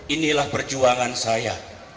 inilah perjuangan saya